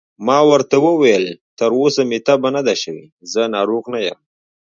ما ورته وویل: تر اوسه مې تبه نه ده شوې، زه ناروغ نه یم.